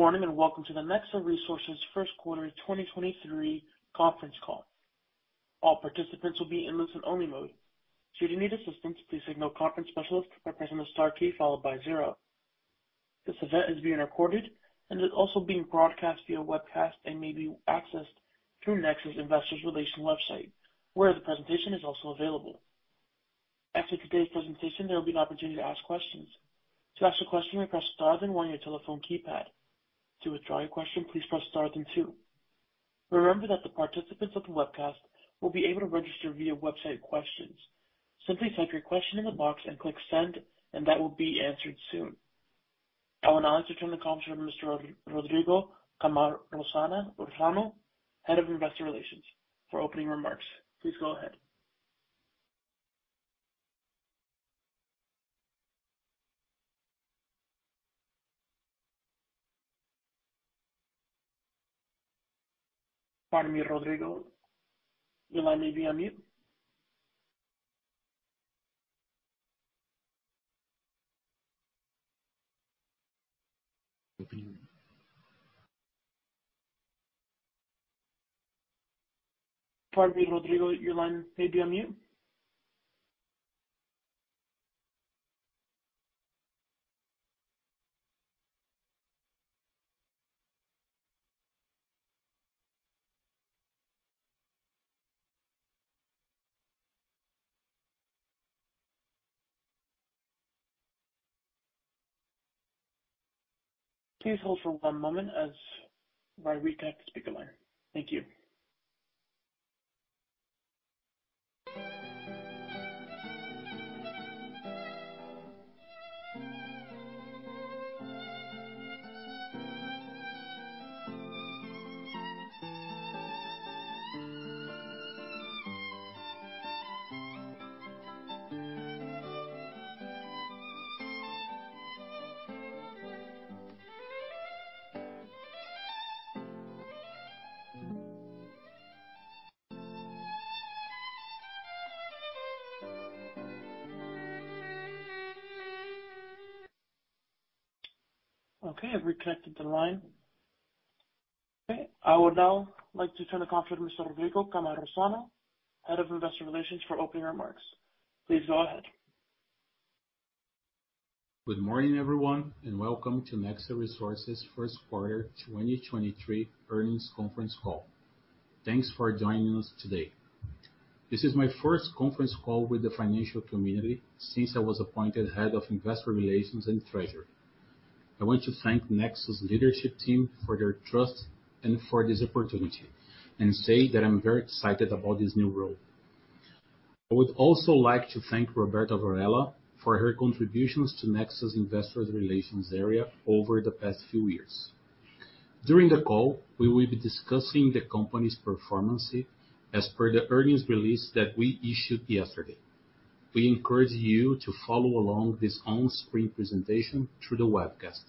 Good morning, welcome to the Nexa Resources first quarter 2023 conference call. All participants will be in listen only mode. Should you need assistance, please signal conference specialist by pressing the star key followed by zero. This event is being recorded and is also being broadcast via webcast and may be accessed through Nexa's Investor Relations website, where the presentation is also available. After today's presentation, there will be an opportunity to ask questions. To ask a question, press Star then one on your telephone keypad. To withdraw your question, please press Star then two. Remember that the participants of the webcast will be able to register via website questions. Simply type your question in the box and click Send that will be answered soon. I will now turn the conference over to Mr. Rodrigo Cammarosano, Head of Investor Relations for opening remarks. Please go ahead. Pardon me, Rodrigo, your line may be on mute. Please hold for one moment as while we reconnect the speaker line. Thank you. Okay, I've reconnected the line. Okay, I would now like to turn the conference to Mr. Rodrigo Cammarosano, Head of Investor Relations for opening remarks. Please go ahead. Good morning, everyone, welcome to Nexa Resources first quarter 2023 earnings conference call. Thanks for joining us today. This is my first conference call with the financial community since I was appointed Head of Investor Relations and Treasury. I want to thank Nexa's leadership team for their trust and for this opportunity and say that I'm very excited about this new role. I would also like to thank Roberta Varela for her contributions to Nexa's Investor Relations area over the past few years. During the call, we will be discussing the company's performance as per the earnings release that we issued yesterday. We encourage you to follow along this on-screen presentation through the webcast.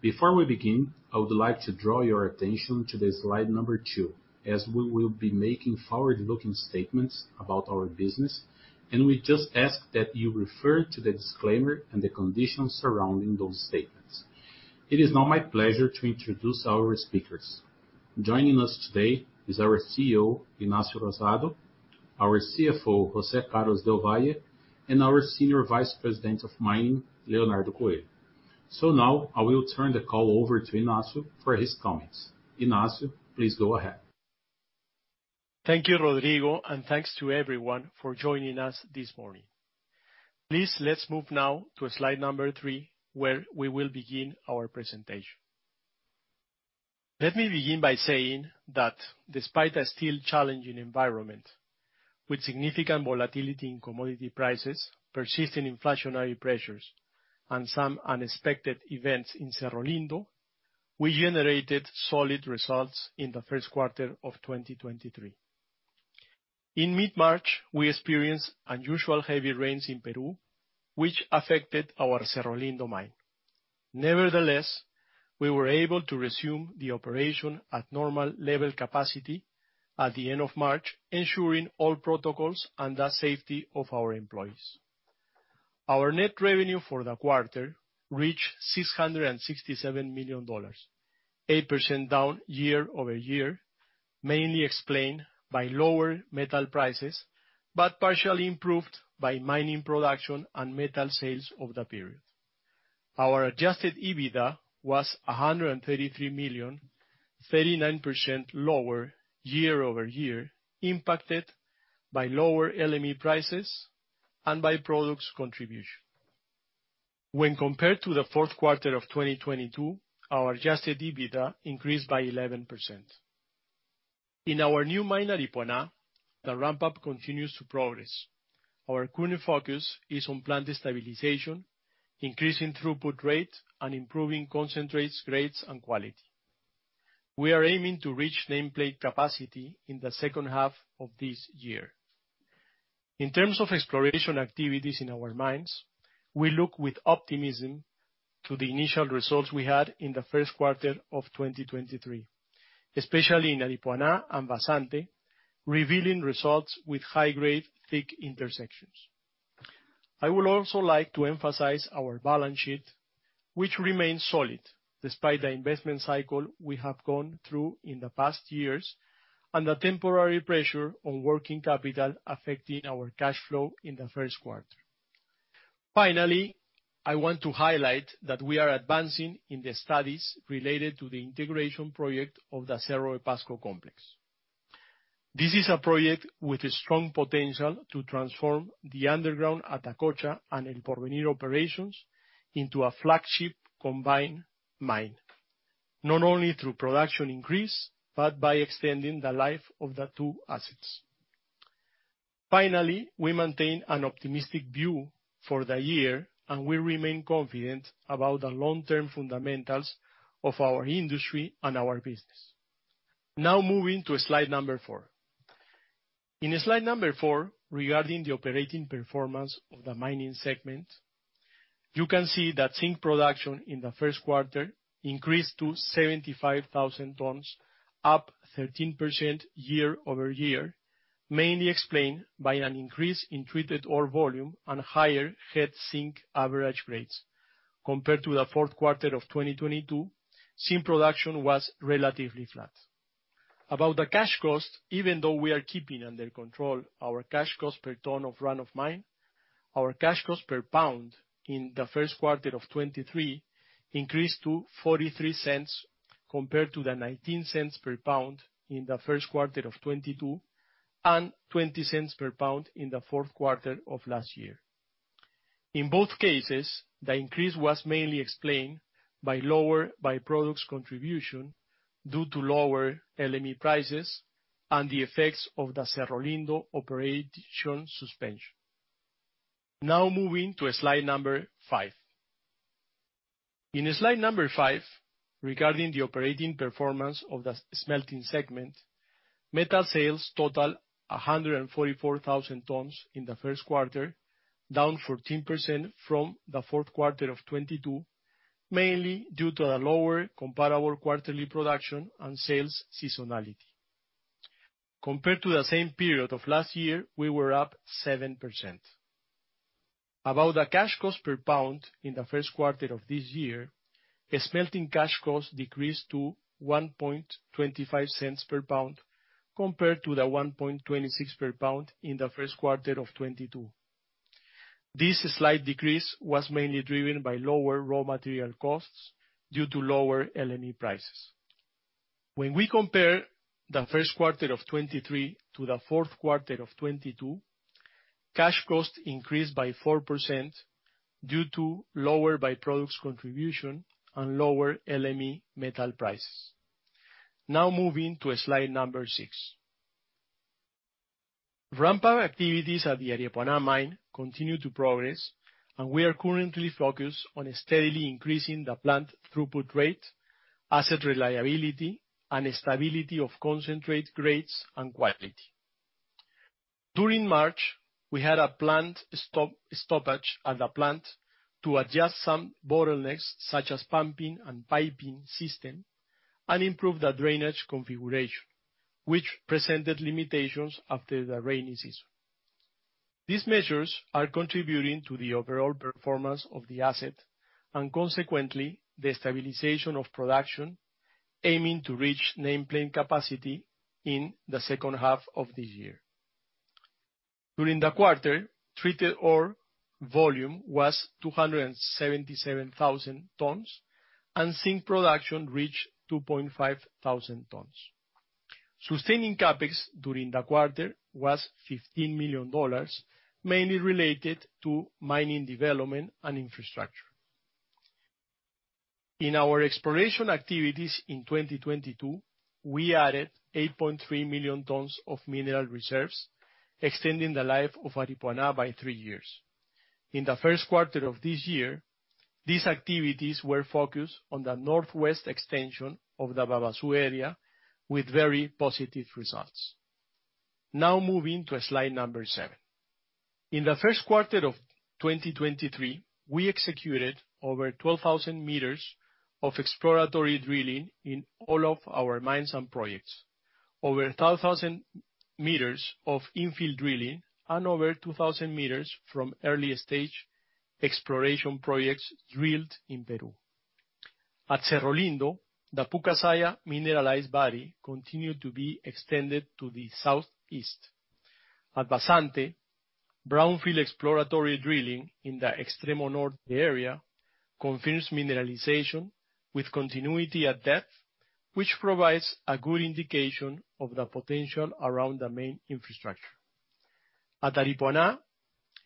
Before we begin, I would like to draw your attention to the slide number 2, as we will be making forward-looking statements about our business, and we just ask that you refer to the disclaimer and the conditions surrounding those statements. It is now my pleasure to introduce our speakers. Joining us today is our CEO, Ignacio Rosado, our CFO, José Carlos del Valle, and our Senior Vice President of Mining, Leonardo Coelho. Now I will turn the call over to Ignacio for his comments. Ignacio, please go ahead. Thank you, Rodrigo, and thanks to everyone for joining us this morning. Please, let's move now to slide number 3, where we will begin our presentation. Let me begin by saying that despite a still challenging environment with significant volatility in commodity prices, persisting inflationary pressures, and some unexpected events in Cerro Lindo, we generated solid results in the first quarter of 2023. In mid-March, we experienced unusual heavy rains in Peru, which affected our Cerro Lindo mine. Nevertheless, we were able to resume the operation at normal level capacity at the end of March, ensuring all protocols and the safety of our employees. Our net revenue for the quarter reached $667 million, 8% down year-over-year, mainly explained by lower metal prices, but partially improved by mining production and metal sales over the period. Our adjusted EBITDA was $133 million, 39% lower year-over-year, impacted by lower LME prices and byproducts contribution. Compared to the fourth quarter of 2022, our adjusted EBITDA increased by 11%. In our new mine at Aripuanã, the ramp-up continues to progress. Our current focus is on plant stabilization, increasing throughput rate, and improving concentrates grades and quality. We are aiming to reach nameplate capacity in the second half of this year. In terms of exploration activities in our mines, we look with optimism to the initial results we had in the first quarter of 2023, especially in Aripuanã and Vazante, revealing results with high-grade thick intersections. I would also like to emphasize our balance sheet, which remains solid despite the investment cycle we have gone through in the past years, and the temporary pressure on working capital affecting our cash flow in the first quarter. I want to highlight that we are advancing in the studies related to the integration project of the Cerro Pasco Complex. This is a project with a strong potential to transform the underground Atacocha and El Porvenir operations into a flagship combined mine, not only through production increase, but by extending the life of the two assets. Finally, we maintain an optimistic view for the year. We remain confident about the long-term fundamentals of our industry and our business. Now moving to slide number 4. In slide number 4, regarding the operating performance of the mining segment, you can see that Zinc production in the first quarter increased to 75,000 tons, up 13% year-over-year, mainly explained by an increase in treated ore volume and higher head Zinc average grades. Compared to the fourth quarter of 2022, Zinc production was relatively flat. About the cash cost, even though we are keeping under control our cash cost per ton of run-of-mine, our cash cost per pound in the first quarter of 2023 increased to $0.43, compared to $0.19 per pound in the first quarter of 2022, and $0.20 per pound in the fourth quarter of last year. In both cases, the increase was mainly explained by lower byproducts contribution due to lower LME prices and the effects of the Cerro Lindo operation suspension. Moving to slide 5. On slide 5, regarding the operating performance of the smelting segment, metal sales totaled 144,000 tons in the first quarter, down 14% from the fourth quarter of 2022, mainly due to the lower comparable quarterly production and sales seasonality. Compared to the same period of last year, we were up 7%. About the cash cost per pound in the first quarter of this year, the smelting cash cost decreased to $1.25 per pound compared to the $1.26 per pound in the first quarter of 2022. This slight decrease was mainly driven by lower raw material costs due to lower LME prices. When we compare the first quarter of 2023 to the fourth quarter of 2022, cash cost increased by 4% due to lower by-products contribution and lower LME metal prices. Moving to slide number 6. Ramp-up activities at the Aripuanã mine continue to progress, and we are currently focused on steadily increasing the plant throughput rate, asset reliability, and stability of concentrate grades and quality. During March, we had a plant stoppage at the plant to adjust some bottlenecks, such as pumping and piping system, and improve the drainage configuration, which presented limitations after the rainy season. These measures are contributing to the overall performance of the asset, and consequently, the stabilization of production, aiming to reach nameplate capacity in the second half of this year. During the quarter, treated ore volume was 277,000 tons and Zinc production reached 2,500 tons. Sustaining CapEx during the quarter was $15 million, mainly related to mining development and infrastructure. In our exploration activities in 2022, we added 8.3 million tons of mineral reserves, extending the life of Aripuanã by three years. In the first quarter of this year, these activities were focused on the northwest extension of the Babaçu area with very positive results. Moving to slide number 7. In the first quarter of 2023, we executed over 12,000 meters of exploratory drilling in all of our mines and projects. Over 12,000 meters of infill drilling and over 2,000 meters from early stage exploration projects drilled in Peru. At Cerro Lindo, the Pucasalla mineralized body continued to be extended to the southeast. At Vazante, brownfield exploratory drilling in the Extremo Norte area confirms mineralization with continuity at depth, which provides a good indication of the potential around the main infrastructure. At Aripuanã,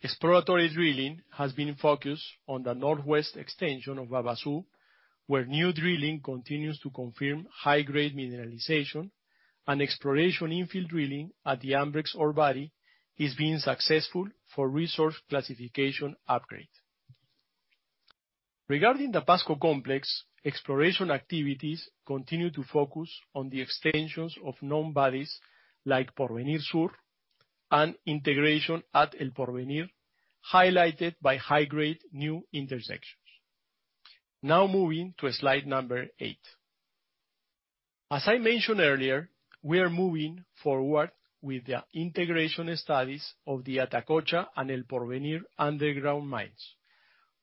exploratory drilling has been focused on the northwest extension of Babaçu, where new drilling continues to confirm high-grade mineralization and exploration infill drilling at the Ambrex ore body is being successful for resource classification upgrade. Regarding the Cerro Pasco Complex, exploration activities continue to focus on the extensions of known bodies like Porvenir Sur and integration at El Porvenir, highlighted by high-grade new intersections. Moving to slide number 8. As I mentioned earlier, we are moving forward with the integration studies of the Atacocha and El Porvenir underground mines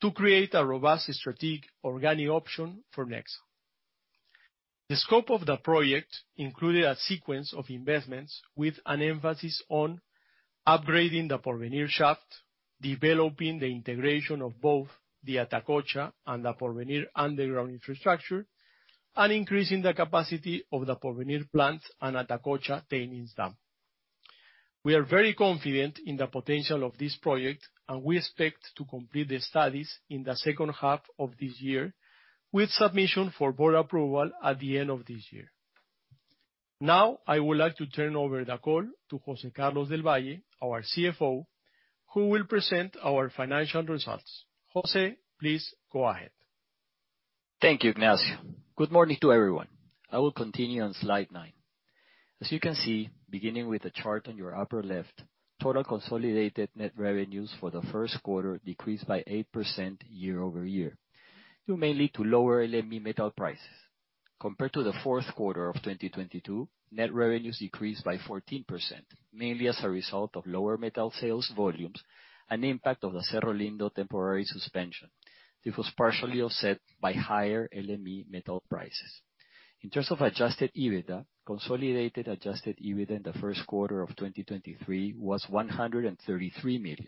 to create a robust strategic organic option for Nexa. The scope of the project included a sequence of investments with an emphasis on upgrading the Porvenir shaft, developing the integration of both the Atacocha and the Porvenir underground infrastructure, and increasing the capacity of the Porvenir plant and Atacocha tailings dam. We are very confident in the potential of this project, and we expect to complete the studies in the second half of this year, with submission for board approval at the end of this year. I would like to turn over the call to José Carlos del Valle, our CFO, who will present our financial results. José, please go ahead. Thank you, Ignacio. Good morning to everyone. I will continue on slide 9. As you can see, beginning with the chart on your upper left, total consolidated net revenues for the first quarter decreased by 8% year-over-year, due mainly to lower LME metal prices. Compared to the fourth quarter of 2022, net revenues decreased by 14%, mainly as a result of lower metal sales volumes, an impact of the Cerro Lindo temporary suspension. This was partially offset by higher LME metal prices. In terms of adjusted EBITDA, consolidated adjusted EBITDA in the first quarter of 2023 was $133 million,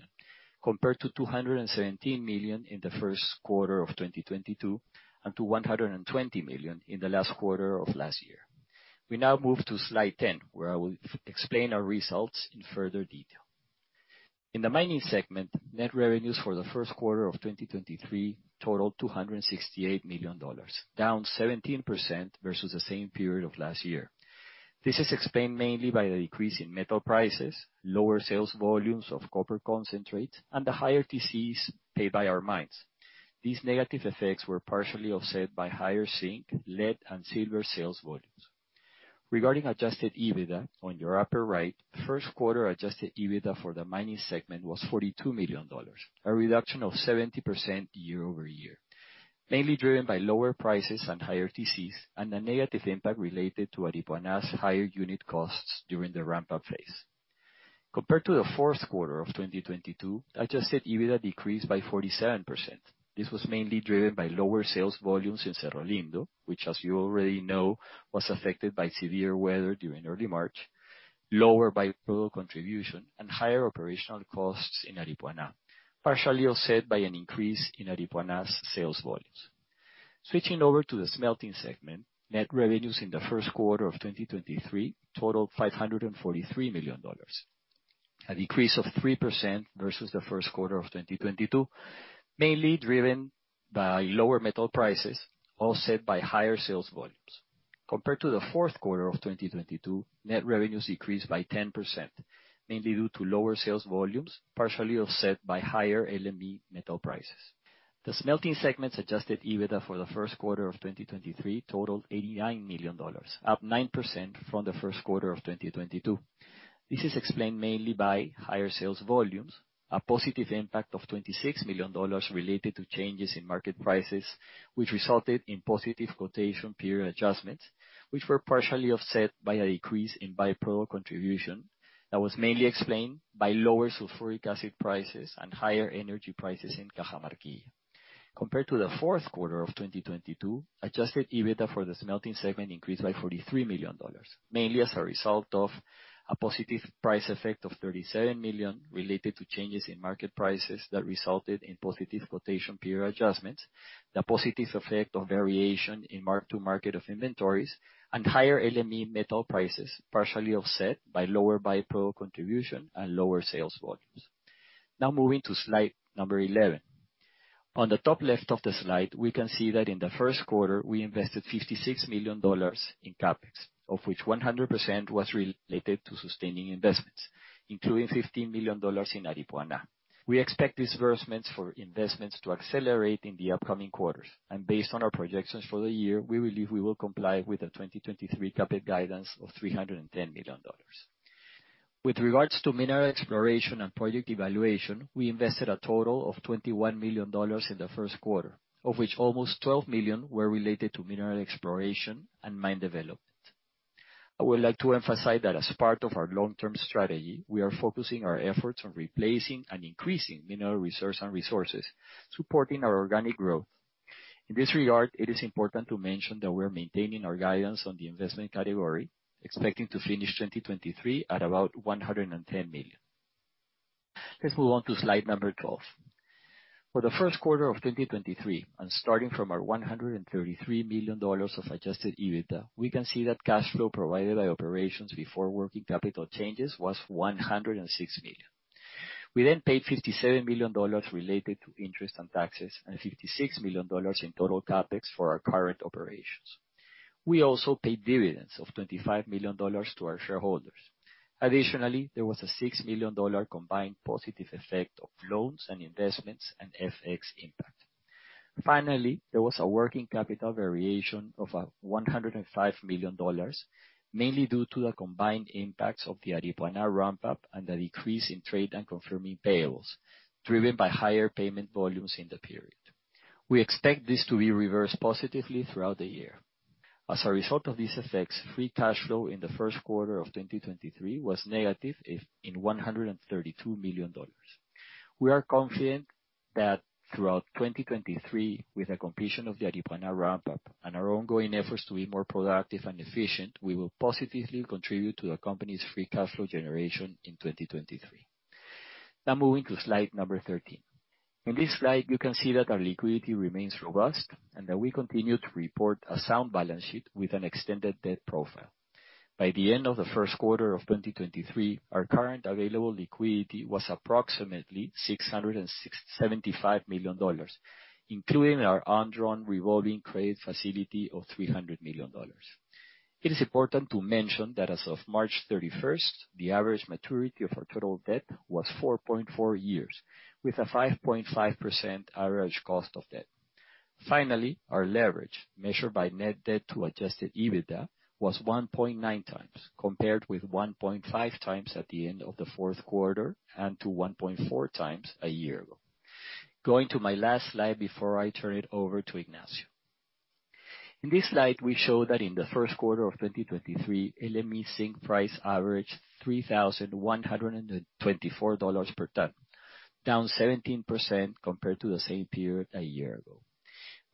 compared to $217 million in the first quarter of 2022, and to $120 million in the last quarter of last year. We now move to slide 10, where I will explain our results in further detail. In the mining segment, net revenues for the first quarter of 2023 totaled $268 million, down 17% versus the same period of last year. This is explained mainly by the decrease in metal prices, lower sales volumes of copper concentrate, and the higher TCs paid by our mines. These negative effects were partially offset by higher Zinc, lead, and silver sales volumes. Regarding adjusted EBITDA on your upper right, first quarter adjusted EBITDA for the mining segment was $42 million, a reduction of 70% year-over-year, mainly driven by lower prices and higher TCs, and a negative impact related to Aripuanã's higher unit costs during the ramp-up phase. Compared to the fourth quarter of 2022, adjusted EBITDA decreased by 47%. This was mainly driven by lower sales volumes in Cerro Lindo, which as you already know, was affected by severe weather during early March, lower by-product contribution, and higher operational costs in Aripuanã, partially offset by an increase in Aripuanã's sales volumes. Switching over to the smelting segment, net revenues in the first quarter of 2023 totaled $543 million, a decrease of 3% versus the first quarter of 2022, mainly driven by lower metal prices, offset by higher sales volumes. Compared to the fourth quarter of 2022, net revenues decreased by 10%, mainly due to lower sales volumes, partially offset by higher LME metal prices. The smelting segment's adjusted EBITDA for the first quarter of 2023 totaled $89 million, up 9% from the first quarter of 2022. This is explained mainly by higher sales volumes, a positive impact of $26 million related to changes in market prices, which resulted in positive quotation period adjustments, which were partially offset by a decrease in by-product contribution that was mainly explained by lower sulfuric acid prices and higher energy prices in Cajamarquilla. Compared to the fourth quarter of 2022, adjusted EBITDA for the smelting segment increased by $43 million, mainly as a result of a positive price effect of $37 million related to changes in market prices that resulted in positive quotation period adjustments, the positive effect of variation in mark-to-market of inventories, and higher LME metal prices, partially offset by lower by-product contribution and lower sales volumes. Now moving to slide number 11. On the top left of the slide, we can see that in the first quarter, we invested $56 million in CapEx, of which 100% was related to sustaining investments, including $15 million in Aripuanã. We expect disbursements for investments to accelerate in the upcoming quarters. Based on our projections for the year, we believe we will comply with the 2023 CapEx guidance of $310 million. With regards to mineral exploration and project evaluation, we invested a total of $21 million in the first quarter, of which almost $12 million were related to mineral exploration and mine development. I would like to emphasize that as part of our long-term strategy, we are focusing our efforts on replacing and increasing mineral research and resources, supporting our organic growth. In this regard, it is important to mention that we're maintaining our guidance on the investment category, expecting to finish 2023 at about $110 million. Let's move on to slide number 12. For the first quarter of 2023, starting from our $133 million of adjusted EBITDA, we can see that cash flow provided by operations before working capital changes was $106 million. We paid $57 million related to interest and taxes and $56 million in total CapEx for our current operations. We also paid dividends of $25 million to our shareholders. Additionally, there was a $6 million combined positive effect of loans and investments and FX impact. Finally, there was a working capital variation of $105 million, mainly due to the combined impacts of the Aripuanã ramp-up and the decrease in trade and confirming payables, driven by higher payment volumes in the period. We expect this to be reversed positively throughout the year. As a result of these effects, free cash flow in the 1st quarter of 2023 was negative if in $132 million. We are confident that throughout 2023, with the completion of the Aripuanã ramp-up and our ongoing efforts to be more productive and efficient, we will positively contribute to the company's free cash flow generation in 2023. Now moving to slide number 13. In this slide, you can see that our liquidity remains robust and that we continue to report a sound balance sheet with an extended debt profile. By the end of the first quarter of 2023, our current available liquidity was approximately $675 million, including our undrawn revolving credit facility of $300 million. It is important to mention that as of March 31st, the average maturity of our total debt was 4.4 years, with a 5.5% average cost of debt. Finally, our leverage, measured by net debt to adjusted EBITDA, was 1.9 times, compared with 1.5 times at the end of the fourth quarter and to 1.4 times a year ago. Going to my last slide before I turn it over to Ignacio. In this slide, we show that in the first quarter of 2023, LME Zinc price averaged $3,124 per ton, down 17% compared to the same period a year ago.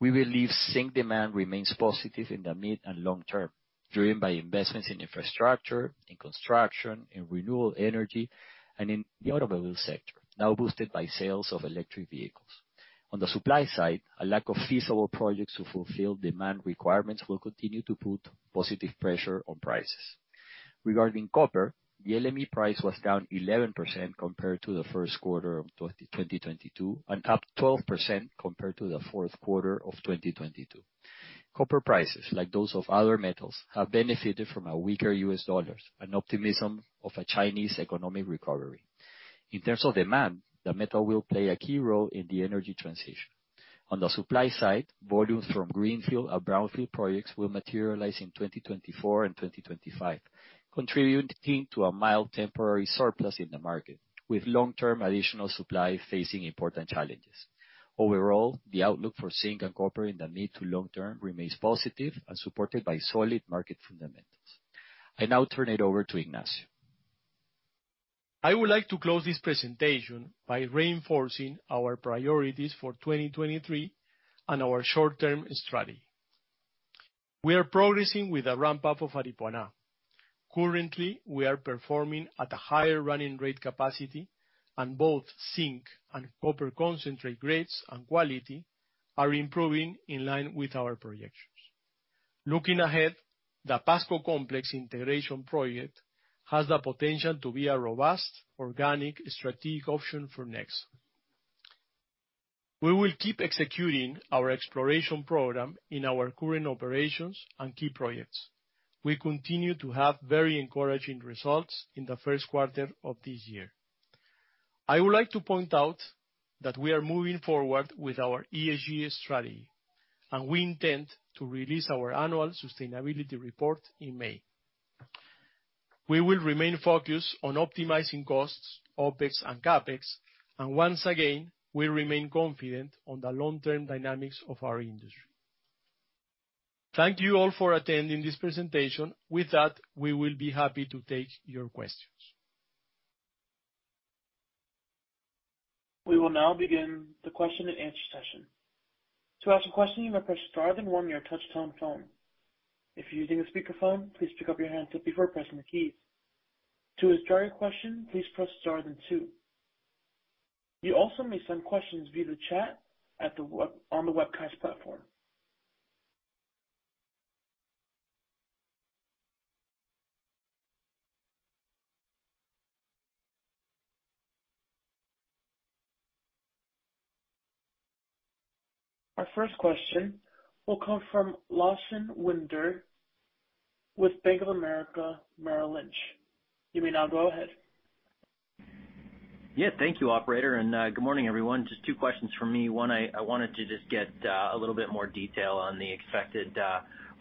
We believe Zinc demand remains positive in the mid-and long term, driven by investments in infrastructure, in construction, in renewable energy, and in the automobile sector, now boosted by sales of electric vehicles. The supply side, a lack of feasible projects to fulfill demand requirements will continue to put positive pressure on prices. Regarding copper, the LME price was down 11% compared to the first quarter of 2022 and up 12% compared to the fourth quarter of 2022. Copper prices, like those of other metals, have benefited from a weaker US dollar and optimism of a Chinese economic recovery. In terms of demand, the metal will play a key role in the energy transition. On the supply side, volumes from greenfield and brownfield projects will materialize in 2024 and 2025, contributing to a mild temporary surplus in the market, with long-term additional supply facing important challenges. Overall, the outlook for Zinc and Copper in the mid to long term remains positive and supported by solid market fundamentals. I now turn it over to Ignacio. I would like to close this presentation by reinforcing our priorities for 2023 and our short-term strategy. We are progressing with the ramp-up of Aripuanã. Currently, we are performing at a higher running rate capacity and both Zinc and copper concentrate grades and quality are improving in line with our projections. Looking ahead, the Pasco Complex Integration Project has the potential to be a robust organic strategic option for Nexa. We will keep executing our exploration program in our current operations and key projects. We continue to have very encouraging results in the first quarter of this year. I would like to point out that we are moving forward with our ESG strategy, and we intend to release our annual sustainability report in May. We will remain focused on optimizing costs, OpEx and CapEx. Once again, we remain confident on the long-term dynamics of our industry. Thank you all for attending this presentation. With that, we will be happy to take your questions. We will now begin the question-and-answer session. To ask a question, you may press star then one on your touchtone phone. If you're using a speakerphone, please pick up your handset before pressing the keys. To withdraw your question, please press star then two. You also may send questions via the chat on the webcast platform. Our first question will come from Lawson Winder with Bank of America, Merrill Lynch. You may now go ahead. Thank you, operator, and good morning, everyone. Just two questions from me. One, I wanted to just get a little bit more detail on the expected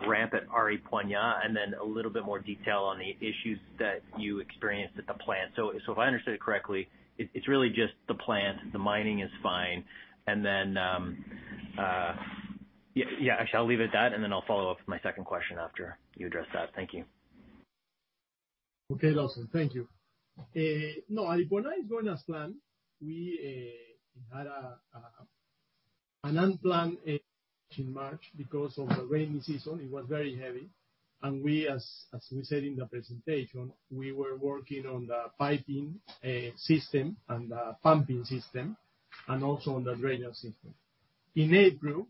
ramp at Aripuanã, and then a little bit more detail on the issues that you experienced at the plant. If I understood it correctly, it's really just the plant. The mining is fine. Then actually I'll leave it at that, and then I'll follow up with my second question after you address that. Thank you. Okay, Lawson. Thank you. No, Aripuanã is going as planned. We had an unplanned in March because of the rainy season. It was very heavy. We, as we said in the presentation, we were working on the piping system and the pumping system, and also on the drainage system. In April,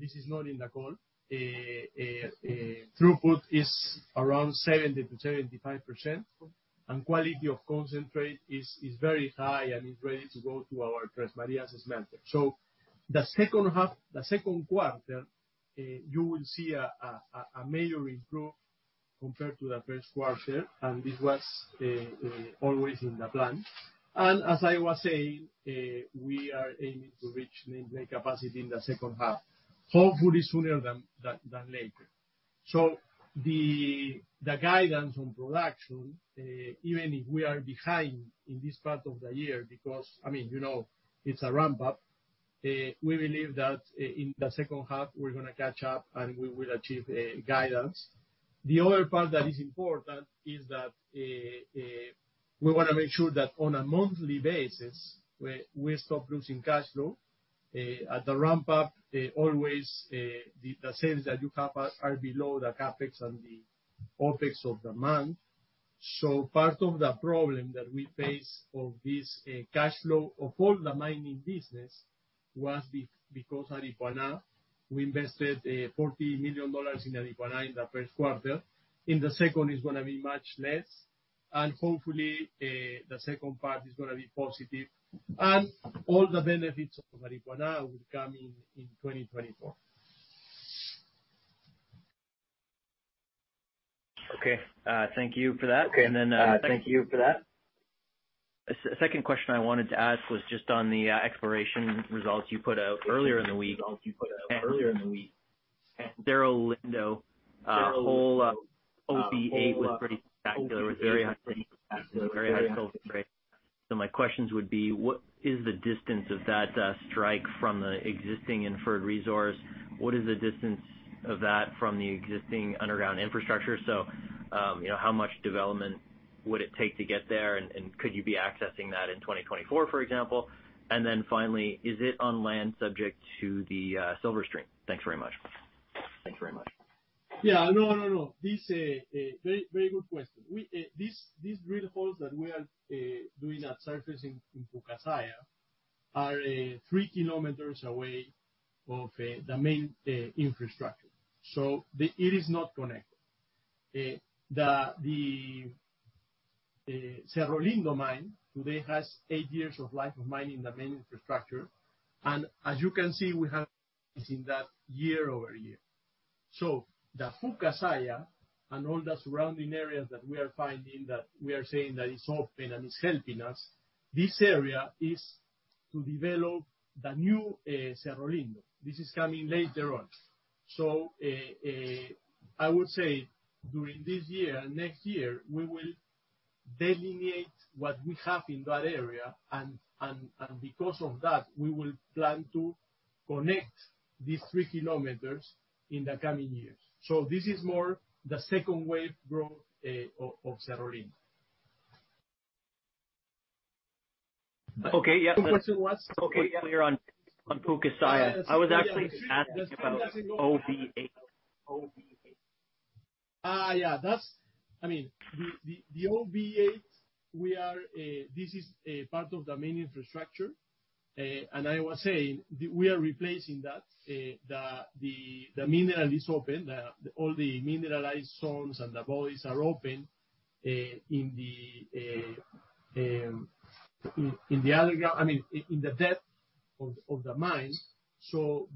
this is not in the call, throughput is around 70% to 75%, and quality of concentrate is very high and is ready to go to our Três Marias smelter. The second quarter, you will see a major improve compared to the first quarter, and this was always in the plan. As I was saying, we are aiming to reach nameplate capacity in the second half, hopefully sooner than later. The guidance on production, even if we are behind in this part of the year because, I mean, you know, it's a ramp up, we believe that in the second half we're gonna catch up and we will achieve guidance. The other part that is important is that we wanna make sure that on a monthly basis we stop losing cash flow. At the ramp up, always, the sales that you have are below the CapEx and the OpEx of the month. Part of the problem that we face of this cash flow of all the mining business was because Aripuanã, we invested $40 million in Aripuanã in the first quarter. In the second, it's gonna be much less and hopefully, the second part is gonna be positive and all the benefits of Aripuanã will come in 2024. Okay. Thank you for that. Okay. then Thank you for that. Second question I wanted to ask was just on the exploration results you put out earlier in the week. At Cerro Lindo, hole OB-8 was pretty spectacular with very high grades and very high silver grades. My questions would be, what is the distance of that strike from the existing inferred resource? What is the distance of that from the existing underground infrastructure? You know, how much development would it take to get there and could you be accessing that in 2024, for example? Finally, is it on land subject to the silver stream? Thanks very much. Yeah. No, no. This, very, very good question. We, this, these drill holes that we are doing at surface in Pucasalla are 3 km away of the main infrastructure. It is not connected. The Cerro Lindo mine today has eight years of life of mining the main infrastructure. As you can see, we have seen that year-over-year. The Pucasalla and all the surrounding areas that we are finding that we are saying that it's open and it's helping us, this area is to develop the new Cerro Lindo. This is coming later on. I would say during this year and next year, we will delineate what we have in that area, and because of that, we will plan to connect these 3 km in the coming years. This is more the second wave growth of Cerro Lindo. Okay. Yeah. The question was. Okay. Yeah. On Pucasalla. I was actually asking about OB-8. Yeah. That's I mean, the OB-8, this is a part of the main infrastructure. I was saying we are replacing that. The mineral is open. All the mineralized zones and the valleys are open in the other ground. I mean, in the depth of the mine.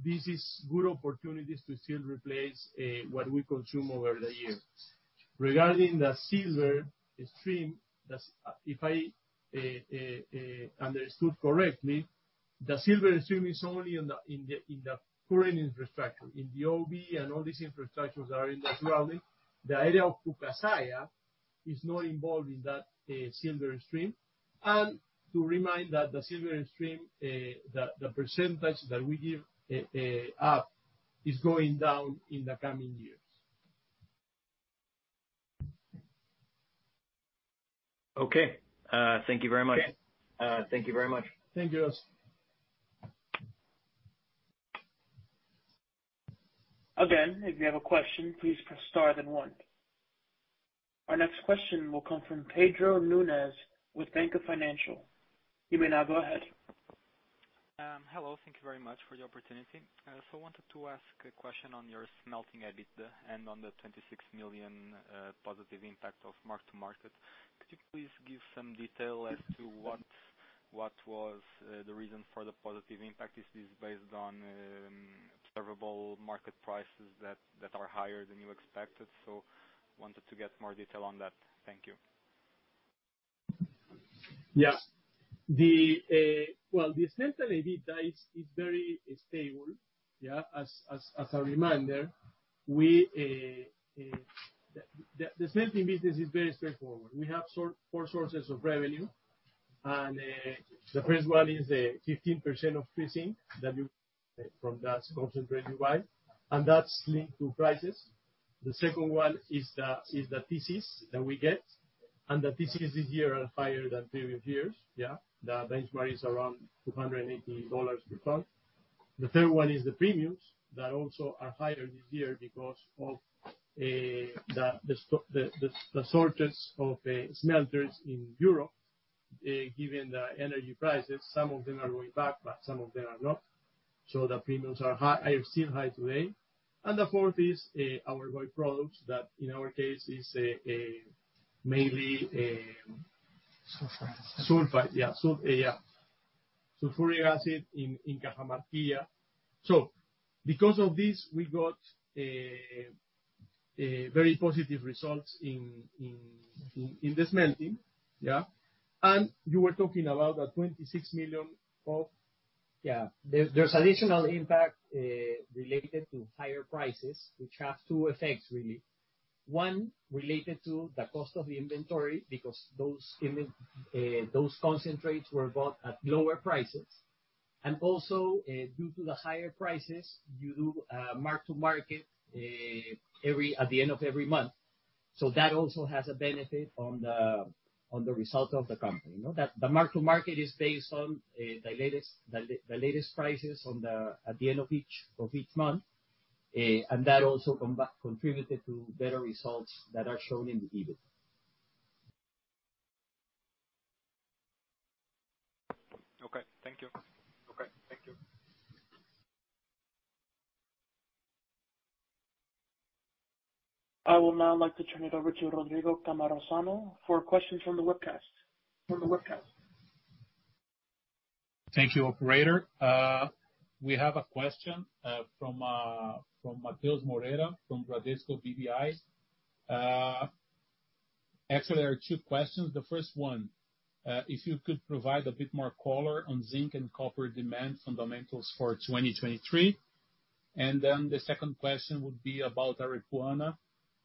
This is good opportunities to still replace what we consume over the years. Regarding the silver stream, if I understood correctly, the silver stream is only in the current infrastructure. In the OB and all these infrastructures are in the surrounding. The area of Pucasalla is not involved in that silver stream. To remind that the silver stream, the percentage that we give up is going down in the coming years. Okay. Thank you very much. Yeah. Thank you very much. Thank you, Lawson. Again, if you have a question, please press star then one. Our next question will come from Pedro Nunez with Bank of Financial. You may now go ahead. Hello. Thank you very much for the opportunity. Wanted to ask a question on your smelting EBITDA and on the $26 million, positive impact of mark-to-market. Could you please give some detail as to what was the reason for the positive impact? Is this based on, observable market prices that are higher than you expected? Wanted to get more detail on that. Thank you. Well, the smelting EBITDA is very stable, yeah. As a reminder, we, the smelting business is very straightforward. We have four sources of revenue. The first one is 15% of pre-sink that you from that concentrate buy, that's linked to prices. The second one is the TCs that we get. The TCs this year are higher than previous years, yeah. The benchmark is around $280 per ton. The third one is the premiums that also are higher this year because of the shortage of smelters in Europe, given the energy prices. Some of them are going back, some of them are not. The premiums are still high today. The fourth is our byproducts that, in our case, is mainly. Sulfur. Sulfide. Yeah. Yeah. Sulfuric acid in Cajamarquilla. Because of this, we got very positive results in the smelting, yeah. You were talking about the $26 million. There's additional impact related to higher prices, which have two effects really. One related to the cost of the inventory because those concentrates were bought at lower prices. Also, due to the higher prices, you do mark-to-market at the end of every month. That also has a benefit on the result of the company. You know, that the mark-to-market is based on the latest, the latest prices at the end of each month. And that also contributed to better results that are shown in the EBIT. Okay, thank you. Okay, thank you. I will now like to turn it over to Rodrigo Cammarosano for questions from the webcast. Thank you, operator. We have a question from Matheus Moreira, from Bradesco BBI. Actually, there are two questions. The first one, if you could provide a bit more color on Zinc and copper demand fundamentals for 2023. The second question would be about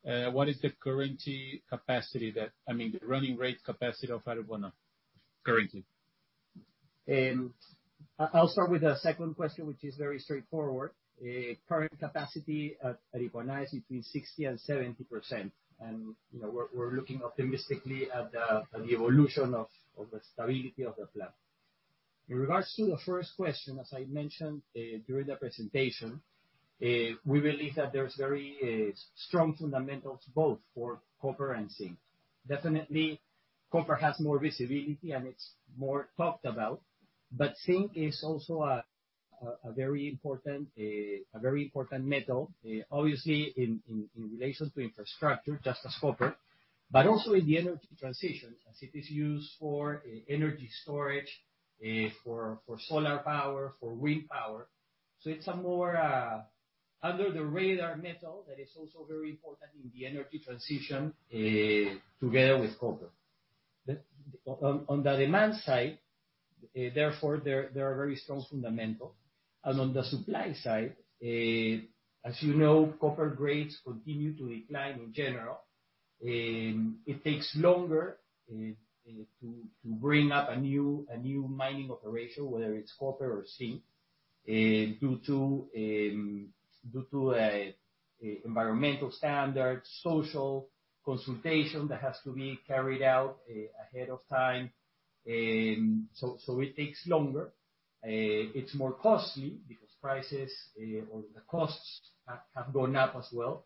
Aripuanã. I mean, the running rate capacity of Aripuanã currently? I'll start with the second question, which is very straightforward. Current capacity at Aripuanã is between 60% and 70%. You know, we're looking optimistically at the evolution of the stability of the plant. In regards to the first question, as I mentioned during the presentation, we believe that there's very strong fundamentals both for copper and Zinc. Definitely copper has more visibility, and it's more talked about, but Zinc is also a very important metal, obviously in relation to infrastructure just as Copper, but also in the energy transition as it is used for energy storage, for solar power, for wind power. It's a more under the radar metal that is also very important in the energy transition together with copper. On the demand side, therefore, there are very strong fundamentals. On the supply side, as you know, copper grades continue to decline in general. It takes longer to bring up a new mining operation, whether it's copper or Zinc, due to environmental standards, social consultation that has to be carried out ahead of time. It takes longer. It's more costly because prices or the costs have gone up as well.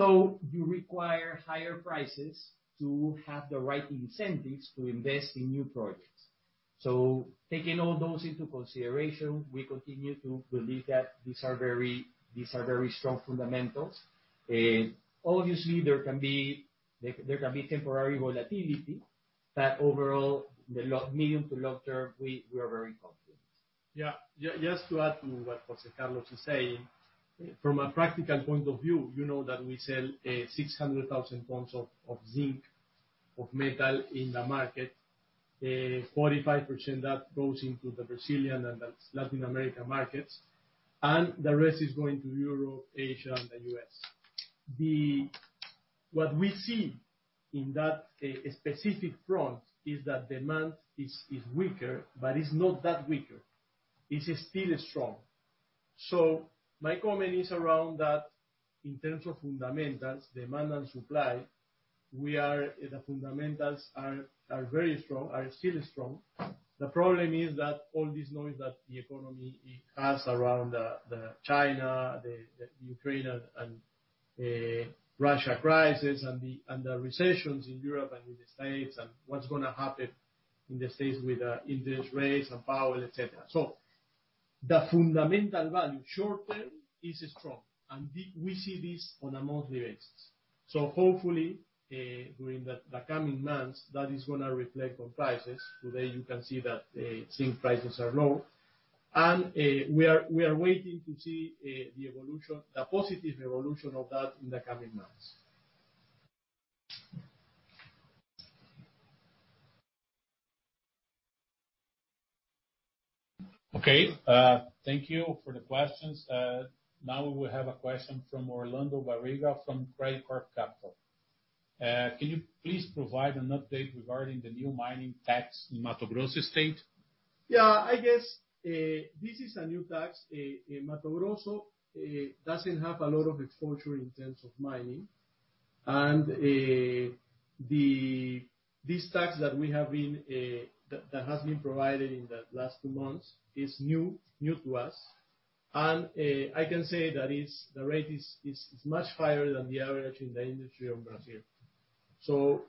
You require higher prices to have the right incentives to invest in new projects. Taking all those into consideration, we continue to believe that these are very strong fundamentals. Obviously there can be temporary volatility, but overall the medium to long term, we are very confident. Yeah. Just to add to what José Carlos is saying. From a practical point of view, you know that we sell 600,000 tons of Zinc, of metal in the market. 45% that goes into the Brazilian and the Latin American markets, and the rest is going to Europe, Asia, and the U.S. What we see in that specific front is that demand is weaker, but it's not that weaker. It's still strong. My comment is around that in terms of fundamentals, demand and supply, the fundamentals are very strong, are still strong. The problem is that all this noise that the economy has around, the China, the Ukraine and Russia crisis and the, and the recessions in Europe and in the States, and what's gonna happen in the States with interest rates and Powell, et cetera. The fundamental value short term is strong, and we see this on a monthly basis. Hopefully, during the coming months, that is gonna reflect on prices. Today you can see that Zinc prices are low. We are waiting to see the evolution, the positive evolution of that in the coming months. Thank you for the questions. Now we will have a question from Orlando Barriga from Craig-Hallum Capital. Can you please provide an update regarding the new mining tax in Mato Grosso State? Yeah. I guess, this is a new tax. Mato Grosso doesn't have a lot of exposure in terms of mining. This tax that we have been that has been provided in the last two months is new to us. I can say that the rate is much higher than the average in the industry of Brazil.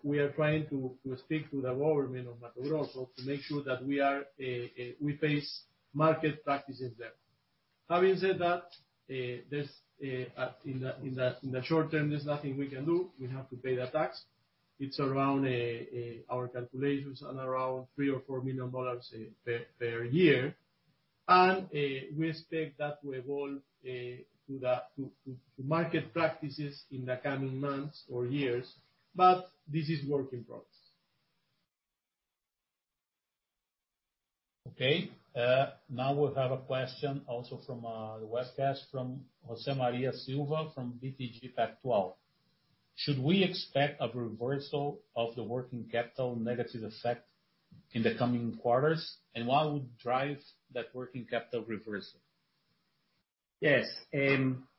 We are trying to speak to the government of Mato Grosso to make sure that we face market practices there. Having said that, there's in the short term, there's nothing we can do. We have to pay the tax. It's around, our calculations are around $3 million or $4 million per year. We expect that to evolve, to the market practices in the coming months or years. This is work in progress. Okay. Now we have a question also from webcast, from José Maria Silva from BTG Pactual. Should we expect a reversal of the working capital negative effect in the coming quarters? What would drive that working capital reversal? Yes.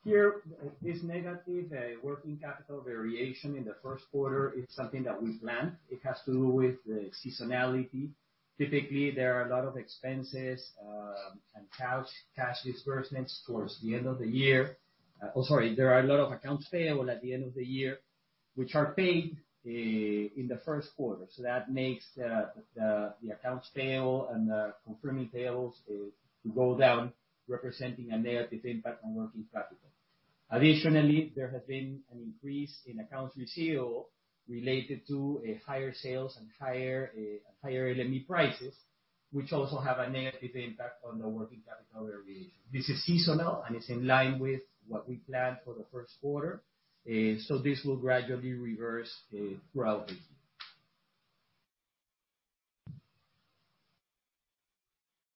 Here, this negative working capital variation in the first quarter is something that we planned. It has to do with the seasonality. Typically, there are a lot of expenses and cash disbursements towards the end of the year. Sorry, there are a lot of accounts payable at the end of the year, which are paid in the first quarter. That makes the accounts payable and the confirming payables to go down, representing a negative impact on working capital. Additionally, there has been an increase in accounts receivable related to a higher sales and higher LME prices, which also have a negative impact on the working capital variation. This is seasonal, and it's in line with what we planned for the first quarter. This will gradually reverse throughout the year.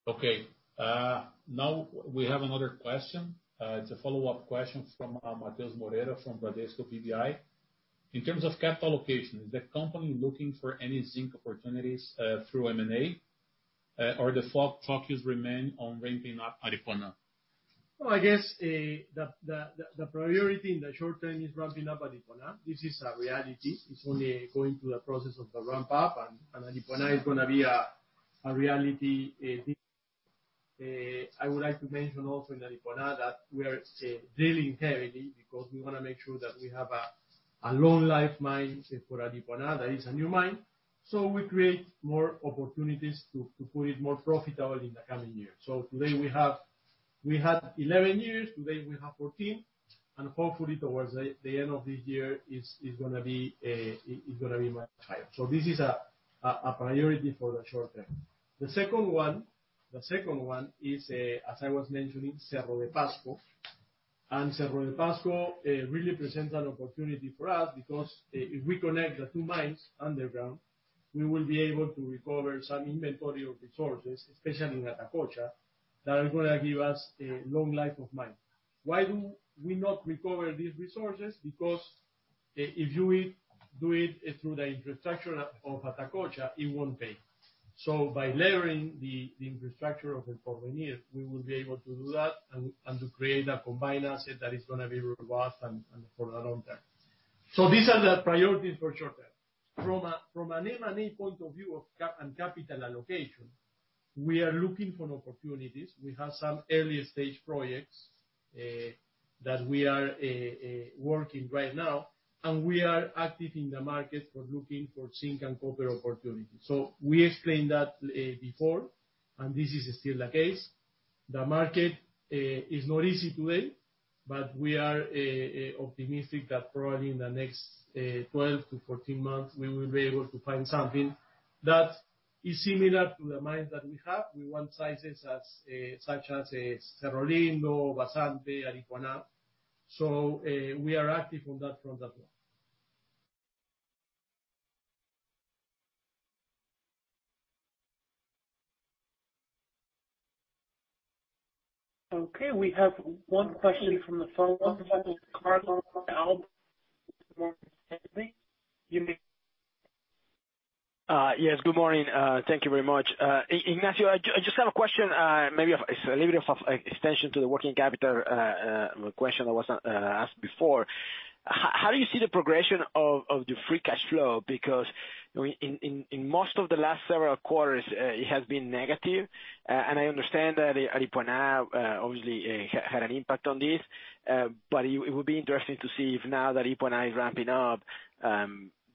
Okay. Now we have another question. It's a follow-up question from Matheus Moreira from Bradesco BBI. In terms of capital allocation, is the company looking for any Zinc opportunities through M&A or the full focus remain on ramping up Aripuanã? Well, I guess, the priority in the short term is ramping up Aripuanã. This is a reality. It's only going through the process of the ramp up, Aripuanã is gonna be a reality this. I would like to mention also in Aripuanã that we are drilling heavily because we wanna make sure that we have a long life mine for Aripuanã. That is a new mine. We create more opportunities to put it more profitable in the coming years. Today We had 11 years, today we have 14, and hopefully towards the end of this year, it's gonna be much higher. This is a priority for the short term. The second one is, as I was mentioning, Cerro Pasco. Cerro Pasco really presents an opportunity for us because if we connect the two mines underground, we will be able to recover some inventory of resources, especially in Atacocha, that are going to give us a long life of mine. Why do we not recover these resources? If you do it through the infrastructure of Atacocha, it won't pay. By layering the infrastructure of the four levers, we will be able to do that and to create a combined asset that is going to be robust and for the long term. These are the priorities for short term. From an M&A point of view and capital allocation, we are looking for opportunities. We have some early-stage projects, that we are working right now, and we are active in the market for looking for Zinc and copper opportunities. We explained that before, and this is still the case. The market is not easy today, but we are optimistic that probably in the next 12 to 14 months, we will be able to find something that is similar to the mines that we have. We want sizes as such as Cerro Lindo, Vazante, Aripuanã. We are active on that front as well. Okay, we have one question from the phone. Carlos de Alba from Morgan Stanley. Yes, good morning. Thank you very much. Ignacio, I just have a question, maybe of, it's a little bit of extension to the working capital question that was asked before. How do you see the progression of the free cash flow? In most of the last several quarters, it has been negative, and I understand that Aripuanã obviously had an impact on this. It would be interesting to see if now that Aripuanã is ramping up,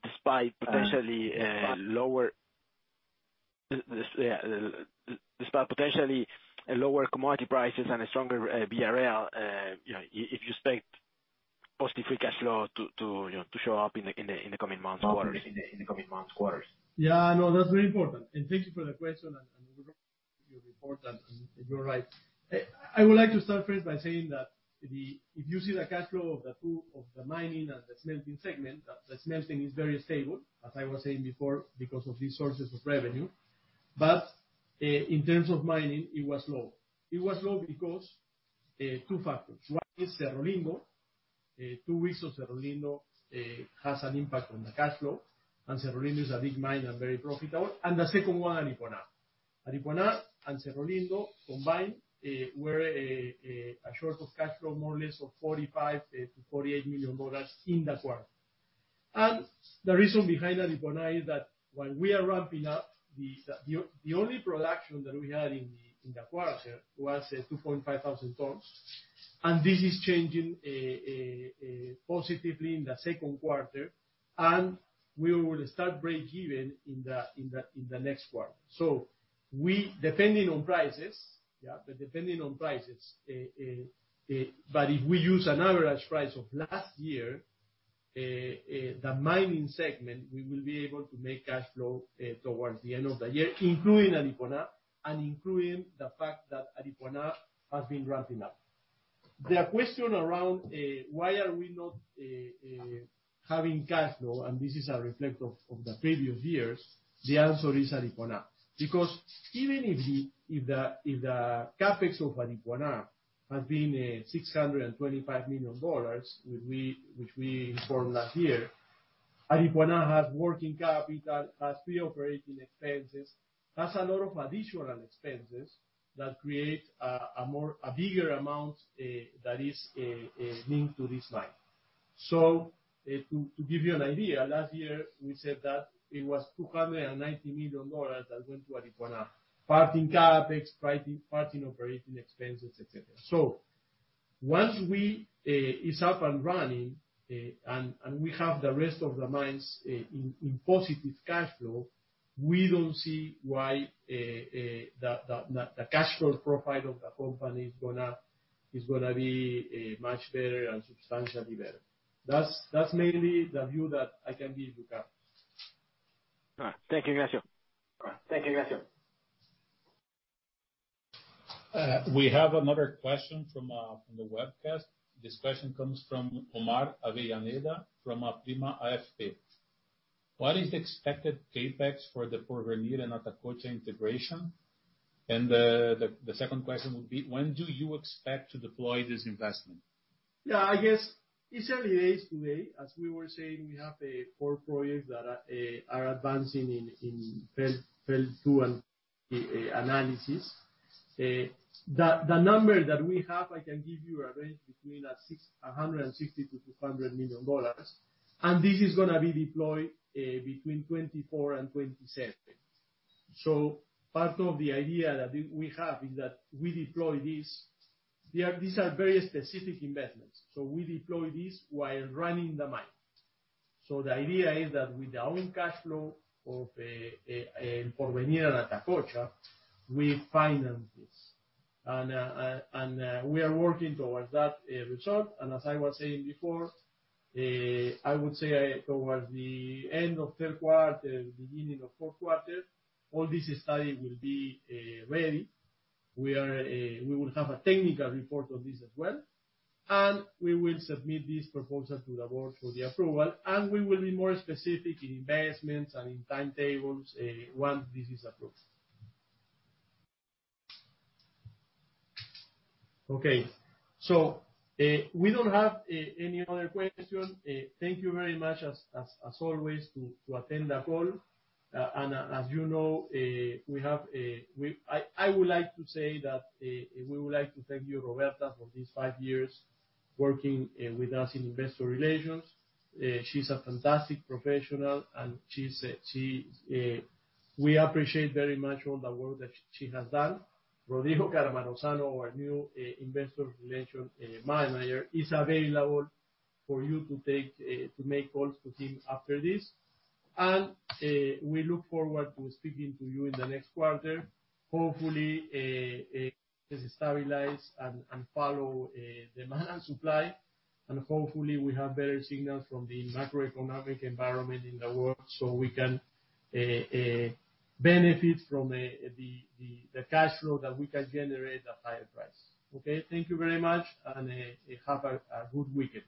despite potentially lower... Yeah, despite potentially a lower commodity prices and a stronger BRL, you know, if you expect positive free cash flow to, you know, to show up in the coming months quarters, in the coming months quarters. Yeah, no, that's very important. Thank you for the question, and we don't your report, and you're right. I would like to start first by saying that if you see the cash flow of the two, of the mining and the smelting segment, the smelting is very stable, as I was saying before, because of these sources of revenue. In terms of mining, it was low. It was low because two factors. One is Cerro Lindo. Two reasons Cerro Lindo has an impact on the cash flow, and Cerro Lindo is a big mine and very profitable. The second one, Aripuanã. Aripuanã and Cerro Lindo combined were a short of cash flow more or less of $45 million-$48 million in that quarter. The reason behind Aripuanã is that when we are ramping up the only production that we had in the quarter was 2,500 tons, and this is changing positively in the second quarter, and we will start break even in the next quarter. We, depending on prices, yeah, but depending on prices, but if we use an average price of last year, the mining segment, we will be able to make cash flow towards the end of the year, including Aripuanã and including the fact that Aripuanã has been ramping up. The question around why are we not having cash flow, and this is a reflect of the previous years, the answer is Aripuanã. Even if the CapEx of Aripuanã has been $625 million, which we informed last year, Aripuanã has working capital, has pre-operating expenses, has a lot of additional expenses that create a bigger amount that is linked to this mine. To give you an idea, last year we said that it was $290 million that went to Aripuanã. Part in CapEx, part in operating expenses, et cetera. Once we is up and running, and we have the rest of the mines in positive cash flow, we don't see why the cash flow profile of the company is gonna be much better and substantially better. That's mainly the view that I can give you, Carlos. All right. Thank you, Ignacio. All right. Thank you, Ignacio. We have another question from the webcast. This question comes from Omar Avellaneda from Prima AFP. What is the expected CapEx for the integration? The second question would be: When do you expect to deploy this investment? Yeah, I guess it's early days today. As we were saying, we have four projects that are advancing in phase two analysis. The number that we have, I can give you a range between $160 million-$200 million. This is gonna be deployed between 2024 and 2027. Part of the idea that we have is that we deploy this... These are very specific investments. We deploy this while running the mine. The idea is that with our own cash flow of El Porvenir and Atacocha, we finance this. We are working towards that result. As I was saying before, I would say towards the end of third quarter, beginning of fourth quarter, all this study will be ready. We will have a technical report on this as well, and we will submit this proposal to the board for the approval, and we will be more specific in investments and in timetables once this is approved. Okay. We don't have any other question. Thank you very much as always to attend the call. As you know, I would like to say that we would like to thank you, Roberta, for these five years working with us in investor relations. She's a fantastic professional and we appreciate very much all the work that she has done. Rodrigo Cammarosano, our new investor relations mine manager, is available for you to take to make calls to him after this. We look forward to speaking to you in the next quarter. Hopefully, this stabilize and follow demand and supply, and hopefully we have better signals from the macroeconomic environment in the world, so we can benefit from the cash flow that we can generate at higher price. Okay? Thank you very much and have a good weekend.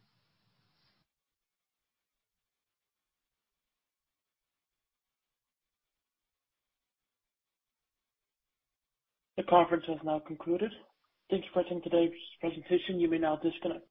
The conference has now concluded. Thank you for attending today's presentation. You may now disconnect.